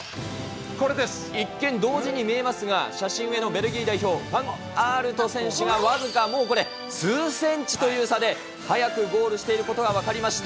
これです、一見同時に見えますが、写真上のベルギー代表、ファンアールト選手がこれ、僅か数センチという差で早くゴールしていることが分かりました。